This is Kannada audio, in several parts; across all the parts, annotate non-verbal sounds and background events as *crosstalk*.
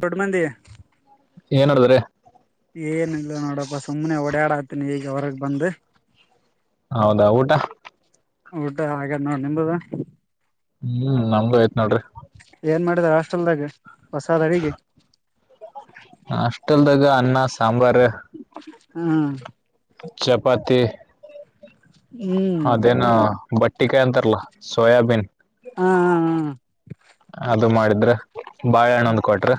ಚೊಡ್ ಮಂದ ಏನ್ಡಿದ್ರೆ ನೋಡಪ್ಪಾ ಸುಮ್ನೆ ಓಡಾಡ ಹತನಿ ಈಗ ಹೊರಗ್ ಬಂದು ಹೌದಾ ಊಟ ಊಟ ಹಾಗ ನೋಡ್ ನಿ್ದದ ಹ್ಮ್ ನಮ್ಗೂ ಆಯ್ತ್ ನೋಡ್ರಿ ಚಲ್ೆ ಬಷಾಧಾರೆಿಿಗೆ ಗ ಅನ್ನ ಸಾಂಬಾರ್ ಹ್ಮ ಚಪಾತಿ ಹ್ಮ್ ಹದೇನ್ ಬ ಟ್ಟಿಿಕೆ ಅಂತರಲ ಸೋಯಬೀನ್ ಹಾ ಹ ಅದು ಮಾಡಿದ್ರೆ ಬಾಳಹಣ್ಣೊಂದ್ ಕೊಟ್ರ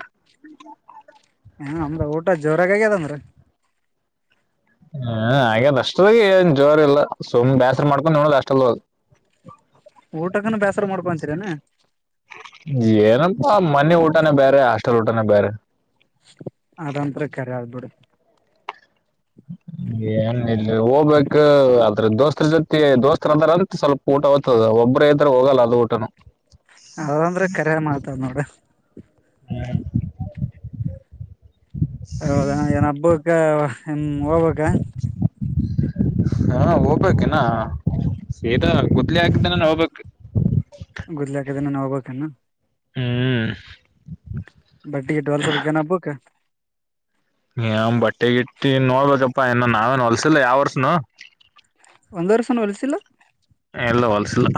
ಹ ಅಮ್ರ ಊಟ ಜೋರಾಗಾಗ್ಯದಂದ್ರ ಹ್ಮ ಹಾಗದ ಅಷ್ಟದ ಏನ್ ಜೋರ್ ಇಲ್ಲ ಸುಮ್ ಬೇಸ್ರ ಮಾಡ್ಕೊಂಡ್ ನೋಡದ್ ಅಷ್ಟಲ್ಲ ಊಟಕ್ಕನ ಬೇಸರ ಮಾಡ್ಕೊಂತೀರನೆ ಏನಪ್ಪಾ ಮನೆ ಊಟನೇ ಬೇರೆ ಅಷ್ಟ ಲೋಟಾನ ಬೇರೆ ಅದಂತರ ಕರೆ ಆ ಬಿಡಿ ಏನ್ ಇ ಹೋಗ್ಬೇಕು ದೋಸ್ತ್ರ ಜೊತೆ ದೋಸ್ತರ ಅದಾರ ಅಂತ ಸ್ವಲ್ಪ ಊಟ ಓ್ತದ ಒಬ್ಬ ಇದ್ರ ಹೋಗಲ್ಲ ಅದು ಊಟನು ಅದಂದ್ರೆ ಕರ ಮಾಡ್ತದ್ ನೋಡ ಹ್ಮ್ ಹೌದಣ್ ಏನ್ ಹಬ್ಬಕ್ಕ ಹ್ಮ ಹೋಬೆಕ ಹಾ ಹೂಬೇಕೆನ ಸಿದಾ ಗುದ್ಲಿ ಹಾಕಿದ ದಿನನ ಹೋಗ್ಬೇಕ ಗುದ್ಲಿ ಹಾಕಿ ದಿನನ ಹೋಗ್ಬೇಕನಾ ಹ್ಮ್ ಬಟ್ಟಿ ಗಿಟ್ಟಿ ಹೋಲ್ಸ ಬೇಕನ್ ಹಬ್ಬುಕ್ಕ ಯ ಬಟ್ಟೆಗಿಟ್ಟಿ ನೋಡ್ಬೇಕಪ್ಪಾ ಏನ ನಾವೇನು ಹೊಲ್ಸಿಲ್ಲ ಯಾವ್ ವರ್ಷನು ಒಂದ್ ವರ್ಷನ ಹೊಲ್ಸಿಲ್ಲ ಇಲ್ಲ ಹೊಲಸಿಲ್ಲ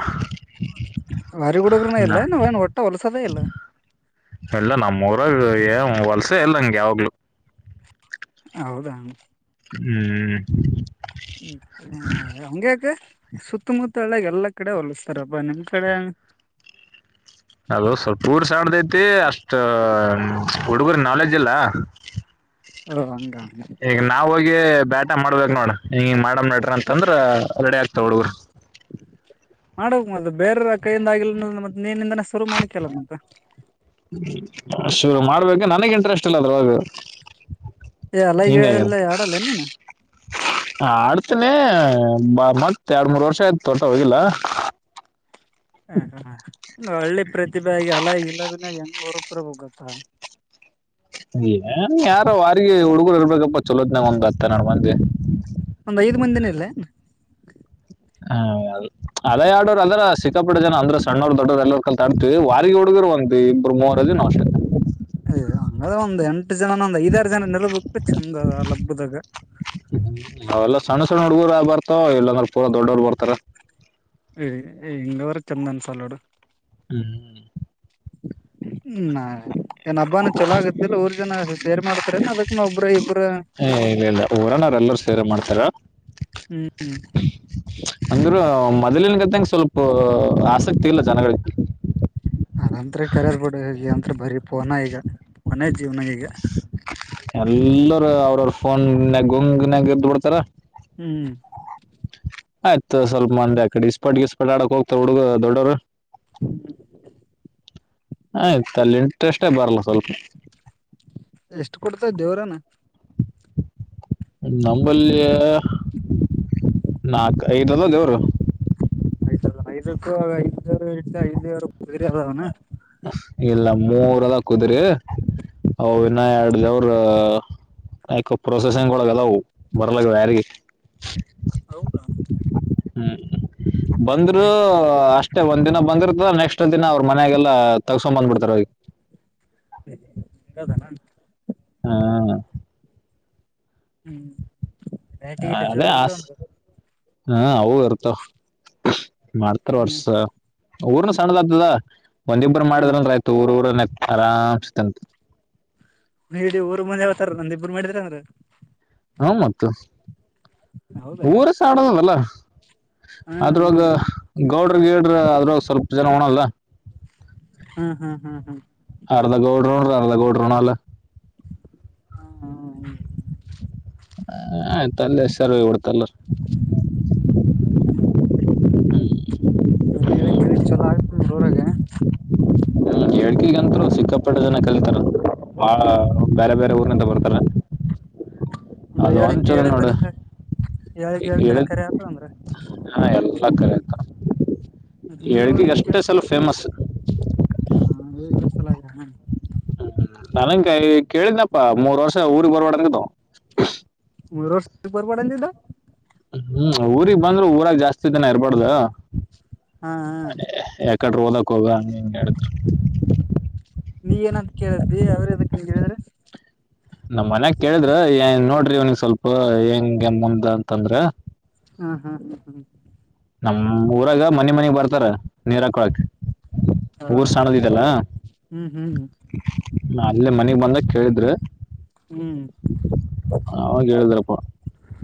ವಾರಿ ಹುಡುಗರುನ ಇಲ್ಲೇನ್ ಏನ್ ಒಟ್ಟ ಹೊಲ್ಸದೇ ಇಲ್ಲ ವಲಸೆ ಇಲ್ಲ ನಂಗೆ ಯಾವಾಗ್ಲು ಹೌದ ಹ್ಮ್ ಹಂಗ್ಯಾಕ ಸುತ್ತಮುತ್ತ ಹಳ್ಳ್ಯಗ ಎಲ್ಲಾ ಕಡೆ ಹೊಲಸ್ತರಪ್ಪಾ ನಿಮ್ ಕಡೆ ಅದು ಸ್ವಲ್ಪ ಊರು ಸಣ್ದೈತಿ ಅಷ್ಟ ಹುಡುಗರ ನಾಲೆಜ್ ಇಲ್ಲ ಓ ಹಂಗ ಈಗ ನಾವು ಹೋಗಿ ಗೆ ಬ್ಯಾಟ ಮಾಡ್ಬೇಕ್ ನೋಡ ಹಿಂಗಿಂಗ ಮಾಡ ನಡ್ರಿ ಅಂತಂದ್ರ ರೆಡಿ ಆಗ್ತಾವ ಹುಡುಗ್ರ ಮಡ್ಬೇಕ ಮತ್ತ ಬೇರರ ಕೈಯಿಂದ ಆಗಿಲ್ಲ ಮತ್ತ ನೀನಿಂದನ ಶುರು ಮಾಡಕ್ಯಲ್ಲ ಮತ್ ಶುರು ಮಾಡ್ಬೇಕ ನನಗ್ ಇಂಟ್ರೆಸ್ಟ್ ಇಲ್ಲ ಅದ್ರ ಒಳಗ್ ಎ ಅಲೈಗ ಎಲ್ಲ ಆಡಲ್ಲೆನ ಆಡ್ತನೆ ಬ ಮತ್ತ್ ಎರಡ್ ಮೂರ್ ವರ್ಷ ಆಯ್ತು ಒಟ್ಟ ಹೋಗಿಲ್ಲ ಹ ಹ್ಮ್ಮ್ ಒಂದ ಒಳ್ಳೆ ಪ್ರತಿಭೆ ಆಗಿ ಅಲ್ಲ ಇಲ್ಲದನ್ನಾಗ *unintelligible* ಗುರುಪ್ರಭುಗತ *unintelligible* ಏನ್ ಯಾರ ವಾರಿಗಿ ಹುಡುಗರು ಇರ್ಬೇಕಪ್ಪ. ಚೊಲೋತನಗ ಇರ್ಬೆಕ್ ಒಂದ್ ಹತ್ತ ಹನ್ನೇಡ್ ಮಂದಿ. ಒಂದ್ ಐದ್ ಮಂದಿನ ಇಲ್ಲ ಹ್ಮ ಅ ಅದೇ ಆಡೋರು ಅದ್ರ ಸಿಕ್ಕಾಪಟ್ಟ ಜನ ಅಂದ್ರ ಸಣ್ಣವ್ರ ದೊಡ್ಡೋರು ಎಲ್ಲರ್ ಕಲ್ತಿ ಆಡ್ತಿದ್ವಿ, ವಾರಗಿ ಹುಡ್ಗರು ಒಂದ್ ಇಬ್ರು ಮೂವರು ಅದಿವ ನಾವ್ ಅಷ್ಟೆ, - ಹ್ ಹಂಗಅದ್ರ ಒಂದ ಎ *unintelligible* ಎಂಟ ಜನನೊಂದ ಐದಾರು ಜನ ನ ಇರ ಬೆಕ್ ಚೆಂದ ಅದ. ಹುಡ್ಗುರು ಆ ಬರ್ತ ಇಲ್ಲಾ ಅಂದರ ನಮ್ಮ್ಕಿನ್ನ ಪೂರ ದೊಡ್ಡೋರು ಬರ್ತಾರ. ಹಿಂಗ ಅದರ ಚಂದಾ ಅನಸಾಲ ನೋಡು. ಹ್ಮ್, ಹ್ಮ, ಏನ್ ಹಬ್ಬಾನ ಚೊಲೋ ಆಗತ್ತೆ ಇಲ್ಲ ಊರ್ ಜನ ಸೇರ್ ಮಾಡ, ಅದಕನು ಒಬ್ಬರಇಬ್, - ಹೇ, ಇಲ್ಲ ಇಲ್ಲ ಊರನಾರ ಎಲ್ಲರೂ ಸೇರಿ. ಕರೆ ಮಾಡ್ತಾರಾ ಹ್ಮ್ *unintelligible* *inaudible* ಅಂದರು ಮ *unintelligible* *inaudible* ಮೋದಲ್ಲಿ ನ್ ಗತನೆಸ್ವಲ್ಪ ಆಸಕ್ತಿ ಇಲ್ಲ ಜನಗಳಿಗೆ, ಅದಂತೂ ಕರೆರ್ ಬಿಡ್ರಿ ಹ *unintelligible* ಅ ಬರೀ ಪೋನ ಈಗ ಪೋನ ಜೀವ್ನ ಈಗ, ಎಲ್ಲರ ಅವ್ರ್ರ ಫೋನ್ ಗುಂಗನ್ಯಾಗ ಇದ್ ಬಿಡ್ತಾರ, - ಹ್ಮ್ *unintelligible* *inaudible* ಆಯ್ತು ಸ್ವಲ್ಪ ಮಂದೆ ಆಕಡೆ ಇಸ್ಪಟ್ಗೆ ಗಿಸ್ಪಟ್ ಆಡಕ್ ಹೋಗತಾರ ಹುಡುಗ ದೊಡ್ಡವರು. ಹ್ಮ್ *unintelligible* *inaudible* ಆಯ್ತು ಅಲ್ಲಿ ಇಂಟ್ರೆಸ್ಟೇ ಬರಲ್ಲ ಸ್ವಲ್ಪ, ಎಷ್ಟು ಕುಡ್ತವ ದೇವ್ರಾನ, ನಂಬಲ್ಲಿ ನಾಕ ಐದ ಅದವ ದೇವರು - ಐಕ್ಕೂ ಐದ್ವರು ಇಟ್ಟ ಐದವರು ಬರಿ ಅದ ಅವನ *unintelligible* *inaudible* ಇಲ್ಲ ಮೂರ್ ಅದ ಕುದ್ರಿ, ಅ ಇನ್ನ ಎರಡದೇವರ ಅವ್ರ ಯಕ ಪ್ರೊಸೆಸಿಂಗ್ ಒಳಗದವು ಬರಲಹಾಗವಯಾರಿಗಿ. ಹೌದಾ,. ಹ್ಮ್, ಹೆಂಗ್ ಬ್ಯಾಟಿ ಬಂದರೂಅಷ್ಟ, ಮತ್ತೆ ಒಂದ್ ದಿನ ಬಂದಿರ್ತದ ನೆಕ್ಸ್ಟ್ ದಿನ ಅವ್ರ ಮನೆಗೆಲ್ಲಾ ತಗ ಸಂಬಂಧ ಬಿಡ್ತಾರ ಹೋಗಿ. ಹಂಗದಾನ ಹಾ, ಹ್ಮ್ *unintelligible* *inaudible* ನೈಟ ಗಿಟ್ಟ ಜೋರ ಇರ್ತವು - *unintelligible* ಹಾ ಹೌ, ಮಾಡ್ತಾರ ಹ್ಮ್ ವರ್ಷ ಊರ್ನ ಸಣ್ಣದಾಕ್ತದ - ಒಂದಿಬ್ರು ಹಾ ಮಾಡಿದ್ರಂಗ ಆ್ತ ಊ ಊರ - ಆರಾಮಸ ತಂತಿ ನೀಡಿ ಊರ್ ಮುಂದೆ ಹಾವತಾರ ನಂದ ಇಬ್ರು ಮಾಡಿದ್ರ ಅಂದ್ರ ಹ್ಮ ಮತ್ತ ಹೌದಾ ಊರ ಸನಾದದಲ್ಲ ಹಾ ಅದ್ರೊಗ ಗೌಡ್ರ ಗೇಡ್ರ ಅದ್ರಾಗ ಸ್ವಲ್ಪ ಜನ ಉಣಲ್ಲ ಹಾ ಹಾ ಹಾ ಹಾ ಅರಧಗೋಡ್ ರೊಡ ಅರದಗೋಡ್ ಪ್ರೊಣಲ್ ಹಾ ಹ ಆಯ್ತ ಅಲ್ಲ ಸರ್ ಕೊಡ್ತಲ್ಲ ಹ ಹ ಹೇಳಗ್ಳ ಚಲೋ ಆ ಹ ರೂರಾಗ ಳ್ಕಗಂತರು ಸಿಕ್ಕಾಪಟ್ಟ ಜನ ಕಲಿತಾರ ಆ ಬೇರೆ ಬೇರೆ ಊರ್ನಂತ ಬರ್ತಾರ ಒಂದ್ರ ಅದು ಒಂದ್ ಹೇಳಕ್ಕೆ ಚಲೋ ನೋಡು ಹೇಳ್ದಲ್ ಹೇಳಳ್ಗೆ ಹೇಳ್ದೆಲ್ಲ ಕರೆ ಆತ ಅಂದ್ರೆ ಅಂಗ ಲೆಕ್ಕ ಎಲ್ದೇ ಒಂದ್ ಅಷ್ಟೇ ಸಲ ಫೇಮಸ್. ಹಾ ಇದ್ರ ಸಲಾಗಿಯೆ. ನನನ್ ಕಾಯ್ ಕೇಳಿದ್ನಪ್ಪಾ. ಮೂರ್ವರ್ಷ ಊರಿಗ್ ಬಾರಬ್ಯಾಡ್ ಅಂದಿದ್ದು. ಮೂರ್ ವರ್ಷ್ ಬರ್ಬ್ಯಾಡ್ ಅಂದಿದ್ದು. ಹೂ ಊರಿಗ್ ಬಂದ್ರು ಊರಾಗ್ ಜಾಸ್ತಿ ದಿನ ಇರ್ಬಾರ್ದು. ಹಾ ಹಾ ಎಕರ್ಡ್ ಹೊದ ಕೊಗ ನಿನ್ ಎಡಕ್ಕ್ ನೀ ಏನಂತ ಕೇಳಿದಿ, ಅವ್ರ್ ಎದಕ್ಕ್ ಇಂಗ್ ಹೇಳಿದ್ರು. ನಮ್ ಮನ್ಯಾಗ ಕೇಳಿದ್ರೆ, ಏ ನೋಡ್ರಿ ಅವ್ನಗೆ ಸ್ವಲ್ಪ ಹೆಂಗೆ ಮುಂದ್ ಅಂತಂದ್ರೆ. ಹಾ ಹಾ ಹ ಹಾ ನಮ್ ಊರಾಗ ಮನೆ ಮನಗ್ ಬರ್ತಾರೆ ನೀರ್ ಹಾಕ್ಕೋಳ್ಳೋಕೆ. ಹಾ, ವೂ ವೂ. ಅಲ್ಲೇ ಮನೆಗ್ ಬಂದಕ್ ಕೇಳಿದ್ರು. ಹ್ಮ್ ಅವಾಗ ಹೇಳುದ್ರಪ್ಪ,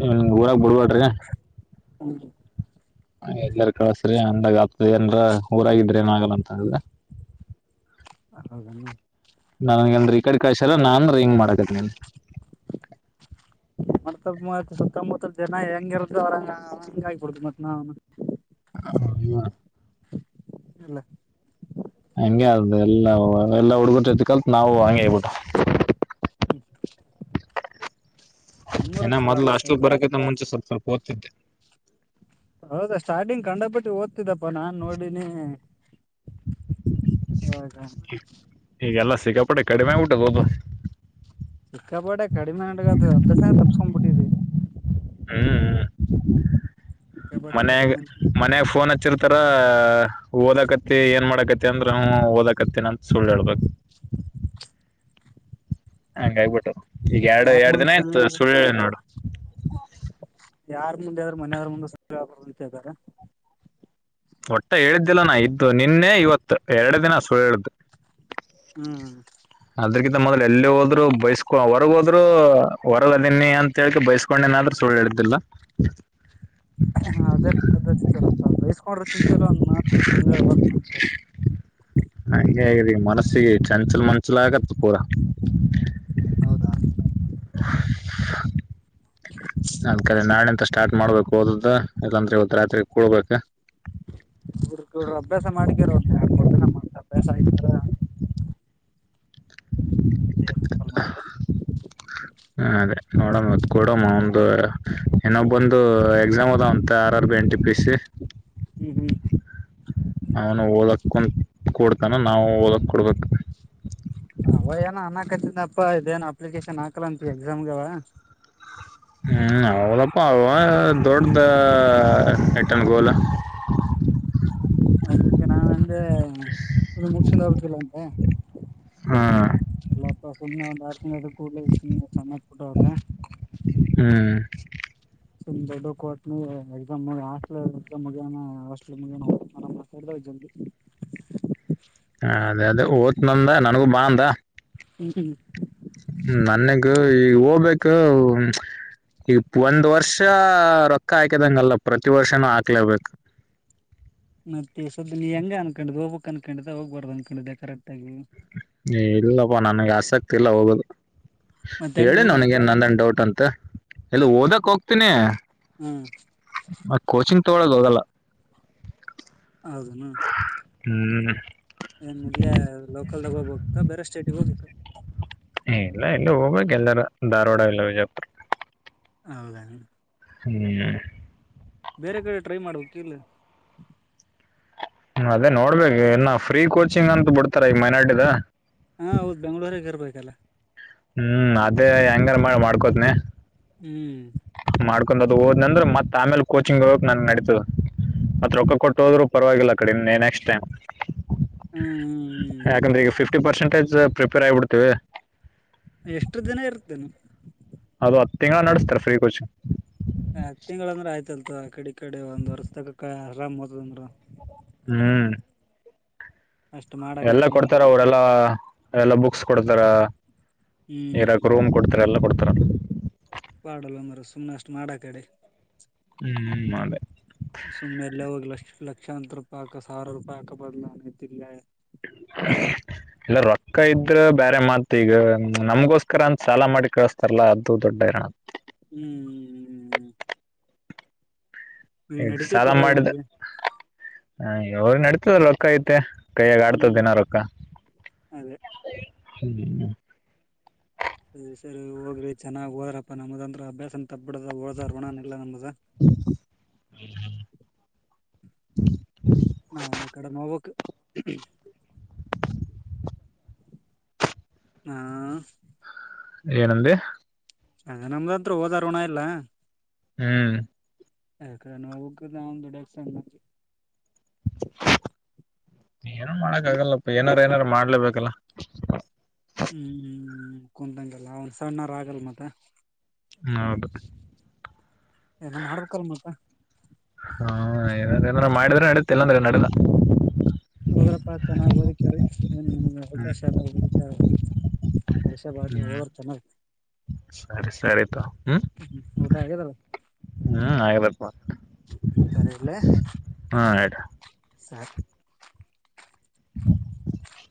ಇ ಊರಕ್ ಬಿಡ್ಬೇಡ್ರಿ. ಹೂ ಎಲ್ಲಾರ ಕಳಸ್ರಿ ಅಂತ್ ನಾವ್ ಯಪ್ತಿ ಅಂದ್ರೆ ಊರಾಗಿದ್ರೆ ಏನು ಆಗಲ್ಲ ಅಂತ ಅಂದೆ. ಹೌದೆನು ನನ್ಗೆಂರೀ ಈ ಕಡೆ ಕಸಲ್ಲ ನಾನ್ ರಿಂಗ್ ಮಾಡಕತೀನ್. ಮಸ್ತಾಗ್ ಮೂವತ್ತ್ ಸುತ್ತಮುತ್ತ ಜನ ಹೆಂಗ ಇರತ್ ಅವರಂಗ ಅವಂಗ ಅಂಗ್ ಆಗ್ಬಾರ್ದು ಮತ್ತ್. ಹಾ ಹಿವಾ. ಇಲ್ಲ ಹಂಗೆ ಅದು ಎಲ್ಲಾ, ಎಲ್ಲಾ ಹುಡುಗ್ರು ಜೊತ್ ಕಲ್ತ್ ನಾವು ಹಂಗೆ ಹೇಳ್ಬಿಟ್ಟೊ. ಹೂ ಏನ ಮೊದ್ಲು ಅಷ್ಟುಲ್ ಬರಕೈತ ಮುಂಚೆ ಸ್ವಲ್ಪ ಸ್ವಲ್ಪ. ಓದ್ತಿದ್ದೆ ಹೌದಾ ಸ್ಟಾರ್ಟಿಂಗ್ ಕಖಂಡಪಟ್ಟು ಓದ್. ಗತಿದಪ್ಪ ನಾನ್ ನೋಡಿನಿ, ಇವಾಗ. ಈಗೆಲ್ಲ ಸಿಕ್ಕಾಪಟ್ಟೆ ಕಡಿಮೆ ಹೊದು. ಕಪಡೆಕ್ ಕಡಿಮೆ ನಟುಗತು ದಿಶ ತಪ್ಸ್ಕೊಂದ್ಬಿಟ್ಟಿದ್ದೆ. ವೂ, ವೂ ಸಿಕ್ಕಾಪಟ್ಟೆ ಮನ್ಯಾಗ, ಕಡಿಮೆ ಮನ್ಯಾಗ ಫೋನ್ ಹಚ್ಚಿರ್ತಾರ ಓದಕತ್ತ್. ಮತ್ತೆ ಏನ್ ಮಾಡಾಕತ್ತಿ ಅಂದ್ರೆ, ಓದಕತ್ತೇನೆ ಅಂತ ಸುಳ್ಳ್ ಹೇಳ್ಬೇಕು. ಅಂಗಾಗ್ಬಿಟ್ಟು ಈಗ ಎರಡು, ಯಾರ್ ಎರಡು ಮುಂದ್ ದಿನ ಸುಳ್ಳ ಇತ್ ಸುಳ್ಳ್ ಹೇಳಿ ನೋಡೊಣ. ಯಾರ್ ಮುಂದೆ ಆದ್ರೂ ಮನೆಯವ್ರ ಮುಂದೆ ಸುಳ್ಳ್ ಹೇಳಕ್ ಹೋಗ್ಬಾರ್ದು ಇದ್ದಾಗ. ಒಟ್ಟ ಹೇಳಿದ್ದಿಲ್ಲನಾ ಇದ್ದು ನಿನ್ನೆ ಇವತ್ತು. ಎರಡು ದಿನ ಸು್ದು ಹ್ಮ್ ಅದ್ರಗಿಂತ ಮೊದಲು ಎಲ್ಲಿ ಹೋದ್ರು ಬೈಸ್ಕೊ ಹೊರಗ ಹೋದ್ರು ಹೊರಗದೀನಿ ಅಂತೇಳ್ಕ ಬೈಸ್ಕೊಂಡನಾದ್ರೂ ಸುಳ್ಳು ಹೇಳ್ದಿಲ್ಲ ಹ ಅದ ಅದ ಹಕೊಂಡ್ರ ಚಿಂತೆ ಎಲ್ಲ ಒಂದ್ ಮಾತ ಸಲ್ ಹೇಳ್ಬಾರ ಮನುಷ್ಯ ಸ ಚಂಚಲ್ ಮಂಚಲ ಆಗ ಪೂಾ ಹೌದಾ ಅದಕ್ರೆ ನಾಳೆ ಅಂತಷ್ಟು ಸ್ಟಾರ್ಟ್ ಮಾಡ್ಬೇಕು ಹಓದದ ಇಲ್ಲಾಂದ್ರೆ ಒದ ರಾತ್ರಿ ಕೂಡ್ಬೇಕ ರ್ಗ್ರ ಅಭ್ಯಾಸ ಮಾಡಕರ ಒ ಎರಡ್ ಮೂರ್ ದಿನ ಮತ್ತ ಅಭ್ಯಾಸ ಆಯ್ತಂದ್ರಸ ಮಾತ್ರ ಏನೊಬ್ಬಂದು ಎಕ್ಸಾಮ್ ಅದ ಅಂತ ಬರ್ಬ ಎಂಟಿ ಪ ಹ್ಮ ಹ್ಮ್ ಅವನು ಓದಕ್ಕಕಂತ ಕೊಡ್ತಾನೆ ನಾವು ಓದೋಕ್ಕೆ ಕೊಡ್ಬೇಕು ಅವ ಏನ ಅನ್ನಾಕತಿಂದ ಅಪ್ಪ ಇದೇನ ಅಪ್ಲಿಕೇಶನ್ ಹಾಕಲ ಅಂತವಿ ಎಕ್ಸಾಮ್ಗೆ ಅವ ಹ್ಮ್ ಹೌದಪ್ಪ ಹ ದೊಡ್ಡದ ಹಟ್ಟನ್ ಗೋಲ್ ಅದಕ್ಕೆ ನಾ ಅಂದೆ ಏನು ಇಲ್ಲ ಹಾ ದು ಕೂಡಷ ಸಮಮ್ಮಯಪಟ್ಟಕ ಹ್ಮ್ ಸ ದೊಡ್ಡ ಕೋಟ್ ಎ ಮು ಹಸ್ಟ ಮುಗ ಹಸ್ಟ ಮು ಮಾತ ಹ ಅದೇ ಅದೇ ಓದ ನಂದ ನನಗೂ ಬಾ ಅಂದ ಹ್ಮ್್ಮ ಈ ಹೋಗ್ಬೇಕು ಈ ಒಂದ್ ವರ್ಷ ರೊಕ್ಕ ಹಾಕದಂಗಲ್ಲ ಪ್ರತಿ ವರ್ಷನೂ ಹಾಕ್ಲರ್ಬೇಕು ಮತ್ತೆ ಸ್ದ ನೀ ಹೆಂಗ ಅನ್ಕೊಂಡಿದ್ದ್ ಹೋಗ್ಕ್ ಅನ್ಕೊಂಡಿದ್ದೆ ಹೋಗ್ಬಾರ್ದು ಅನ್ಕೊಂಡಿದ್ದೆ ಕರೆಕ್ಟ್ ಆಗಿ ಏ ಇಲ್ಲಪ್ಪ ನನ್ಗೆ ಆಸಕ್ತಿ ಇಲ್ಲ ಹೋಗೋದು ಮತ್ತೆ ಹೆಂಗ್ ಹೇಳಿನ ಮುಂದ ಅವನಿಗೆ ನಂದನ್ ಡೌಟ್ ಅಂತ ತ್ತ ಎಲ್ಲಿ ಓದಕ್ ಹೋಗ್ತೀನಿ ಹ್ಮ್ ತೋಗೋಳಕ ಹೋಗಲ್ಲ ಹೌದನ ಹ್ಮ್ ಏನ್ ಇಲ್ಲಿಯ ಲೋಕಲ್ದಾಗ ಹೋಗ್ಬೇಕ ಬೇರೆ ಸ್ಟೇಟಗ್ ಹೋಗ್ಬೇಕ ಇಲ್ಲ ಇಲ್ಲ ಹೋಗ್ಬೇಕ ಎಲ್ಲಾರ ಧಾರವಾಡ ಇಲ್ಲ ವಿಜಯಪುರ್ ಹೌದಾ ಹ್ಮ್ ಬೇರೆ ಕಡೆ ಟ್ರೈ ಮಾಡ್ಬೇಕ ಇಲ್ಲ ಅದೇ ನೋಡ್ಬೇಕೇು ಇನ್ನ ಫ್ರೀ ಕೋಚಿಂಗ್ ಅಂತ ಬಿಡ್ತಾರ ಈ ಮೈನಾರ್ಟಿದ ಹಾ ಹೌದು ಬೆಂಗಳೂರಾಗ ಇರ್ಬೇಕಲ್ಲ ಹ್ಮ್ ಅದೇ ಹೆಂಗಾರ ಮಾಡ್ಕೋತನ ಹ್ಮ್ ಮಾಡ್ಕೊಂಡ ಅದು ಹೋದ್ ಅಂದ್ರೆ ಮತ್ತ ಆಮೇಲೆ ಕೋಚಿಂಗ್ ಹೋಗಕ್ ನಂಗ ನಡೀತದೆ ಮತ್ ರೊಕ್ಕ ಕೊಟ್ಟು ಹೋದ್ರು ಪರವಾಗಿಲ್ಲ ಕಡೆ ನೆಕ್ಸ್ಟ್ ಟೈಮ್ ಹ್ಮ್ ಹ್ಮ್ ಹ್ಮ್ ಹ್ಮ್ ಯಾಕಂದ್ರೆ ಈಗ ಫಿಫ್ಟಿ ಪರ್ಸೆಂಟ್ ಪ್ರಿಪೇರ್ ಆಗಿಬಿಡ್ತೀವಿ ಎಷ್ಟು ದಿನ ಇರ್ತೇನೆ ಅದು ಹತ್ತು ತಿಂಗಳ ನಡೆಸುತ್ತಾರ ಫ್ರೀ ಕೋಚಿಂಗ್ ಹತ್ತ ತಿಂಗಳು ಅಂದ್ರ ಆಯ್ತು ತಲ ಮ ಆ ಕಡೆ ಕಡೆ ಒಂದ್ ವರ್ಷದಕ ಆರಾಮ್ ಓದುನೂ ಹ್ಮ್ ಅಷ್ಟ್ ಮಾಡಕಡೆ ಎಲ್ಲ ಸುಮ್ಮನೆ ಕೊಡ್ತಾರ ಅವರೆಲ್ಲಾ ಎಲ್ಲಾ ಬುಕ್ಸ್ ಕೊಡ್ತಾರ ಹ್ಮ್ ಇರಾಕ್ ರೂಮ್ ಕೊಡ್ತಾರ ಎಲ್ಲ ಕೊಡ್ತಾರ ಮಾಡಾಲ್ಲವ ಮರ ಸುಮ್ನೆ ಅಷ್ಟು ಮಾಡಾ ಆ ಕಡೆ ಹ್ಮ್ ಅದೇ ಶಾಂತರೂಪಾಕ ಸಾವಿ ರೂಪಾಯಕ ಬದಲನತಿಲ್ಲ ಇಲ್ಲ ರೊಕ್ಕ ಇದ್ರ ಬ್ಯಾರೆ ಮಾತ್ ಈಗ ನಮ್ಗೋಸ್ಕರ ಅಂತ ಸಾಲ ಮಾಡಿ ಕಳಸ್ತಾರಲ್ಲ ಅದು ದೊಡ್ಡ ಹೈರಾಣ ಹ್ಮ್ ಹ್ಮ್ ಹ್ಮ್ ಹ್ಮ್ ಈಗ ಸಾಲ ತಗೋ ಮಾಡಿದ ಇವ್ನಿಗೆ ಹ ಅವಗ ನಡತದಲ್ಲ ಲಕ್ಕ ಐತೆ ಕೈಯಾಗ ಆಡ್ತದ ಹ್ಮ್ ದಿನಾ ರಕ್ಕ ಅದೇ ಹ ಸರಿ ಸರಿ ಹೋಗ್ರಿ ಚೆನ್ನಾಗಿ್ೋದಪ್ಪಾ ನಮ್ಮದಂದ್ರೆ ಅಭ್ಯಾಸನ ತಪ್ಪ ಬಿಡದ ಓದು ಋಣನ್ನು ಇಲ್ಲ ನಮ್ಮದ *inaudible* ನಾವುನ ಏಕಡೆ ಹೋಗ್ಬೇಕು ಹಾ ಏನಂದ ಅದೇ ನಮ್ದತ್ರು ಹೋದಾರೋಣ ಇಲ್ಲ. ಹ್ಮ್ ಎಕಡೆ ನವುಗದಾ ಒಂದು ಸಂಗ *inaudible* ಏನ್ನು ಮಾಡಕ್ಕಗಲ್ಲಪ್ಪ ಏನಾರು ನಾರು ಮಾಡ್ಲೇಬೇಕಲ್ಲ. ಹ್ಮ್ ಕುಂತಂಗಲ್ಲ ಒಂದ ಸಾವಣ ಅವರ್ ಆಗಲ್ ಮತ್ತ ಹ ಹೌದು ಏನ ಮಾಡ್ಬೇಕಲ್ ಮತ್ತ ಹಾ ಏನ ಏ್ರ ಮಾಡಿದ್ರೆ ನಡ ತಲಂದರೆ ನನ ಹೋಗಡಪ್ಪಾ ಚೆನ್ನಾಗ್ ಓದಿಕ್ಯ್ರೀ ಏನ್ ನಮಗೆ ಹ್ಮ್ ಅವಕಾಶ ಅದ ಹಕ್ಕೆ ಕೆಲಸ ಬ್ರಿ ಹ್ಮ್ ಹೋದ್ರ ಚೆನ್ನಾಗಿ ಸರಿ ಸರಿತ ಹ್ಮ್ ಹ್ಮ ಊಟ ಆಗದಲ್ಲ ಹ್ಮ್ ಆಗದಪ್ಪ ಸರಿ ಇಲ್ಲ ಹಾ ಇಡು ಸರಿ. ಹ *unintelligible*